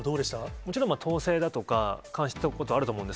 もちろん、統制だとか、監視国家ということはあると思うんです。